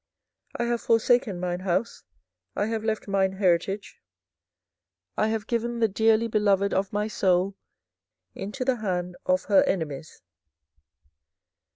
24:012:007 I have forsaken mine house, I have left mine heritage; I have given the dearly beloved of my soul into the hand of her enemies.